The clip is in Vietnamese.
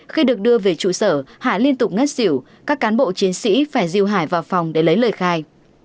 khi được đưa về trụ sở hạ liên tục ngất xỉu các cán bộ chiến sĩ phải diêu hải vào phòng để lấy lời khai